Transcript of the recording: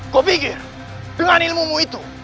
ku pikir dengan ilmu itu